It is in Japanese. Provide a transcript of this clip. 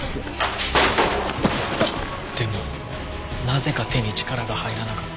でもなぜか手に力が入らなかった。